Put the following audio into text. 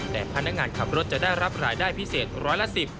แต่พนักงานขับรถจะได้รับรายได้พิเศษร้อยละ๑๐